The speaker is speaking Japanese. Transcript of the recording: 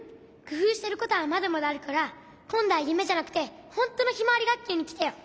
くふうしてることはまだまだあるからこんどはゆめじゃなくてほんとのひまわりがっきゅうにきてよ。